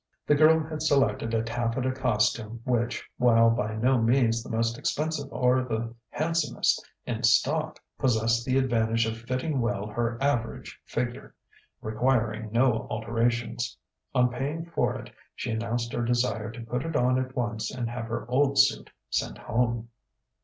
The girl had selected a taffeta costume which, while by no means the most expensive or the handsomest in stock, possessed the advantage of fitting well her average figure, requiring no alterations. On paying for it she announced her desire to put it on at once and have her old suit sent home.